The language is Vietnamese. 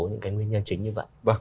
những cái nguyên nhân chính như vậy